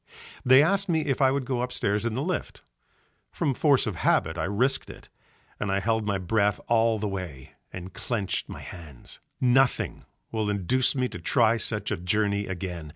They asked me if I would go upstairs in the lift, from force of habit I risked it, and I held my breath all the way and clenched my hands. Nothing will induce me to try such a journey again.